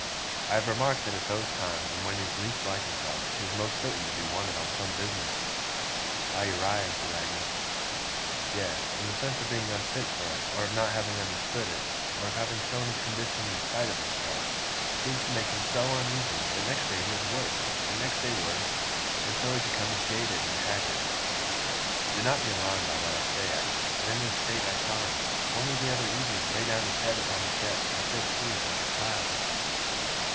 I have remarked that at those times, and when he is least like himself, he is most certain to be wanted on some business.' 'By Uriah,' said Agnes. 'Yes; and the sense of being unfit for it, or of not having understood it, or of having shown his condition in spite of himself, seems to make him so uneasy, that next day he is worse, and next day worse, and so he becomes jaded and haggard. Do not be alarmed by what I say, Agnes, but in this state I saw him, only the other evening, lay down his head upon his desk, and shed tears like a child.